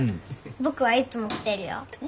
僕はいつも来てるよ。